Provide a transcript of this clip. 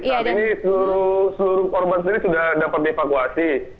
nah ini seluruh korban sendiri sudah dapat divakuasi